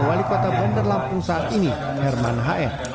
wali kota bandar lampung saat ini herman hr